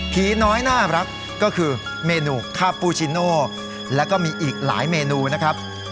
น้อยน่ารักก็คือเมนูคาปูชิโน่แล้วก็มีอีกหลายเมนูนะครับ